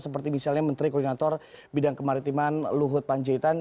seperti misalnya menteri koordinator bidang kemaritiman luhut panjaitan